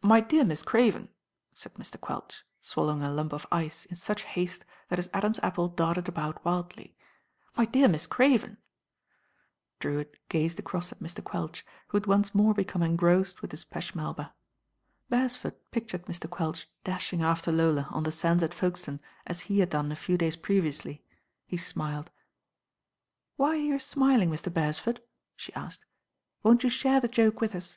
"My dear Miss Craven," said Mr. Quelch, swal lowing a lump of ice in such haste that his Adam's apple darted about wildly, "my dear Miss Craven." Drewitt gazed across at Mr. Quelch, who had once more become engrossed with his peche Melba, Beresford pictured Mr. Quelch dashing after Lola on the sands at Folkestone as he had done a few days previously. He smiled. "Why are you smiling, Mr. Beresford?" she asked. "Won't you share the joke with us?"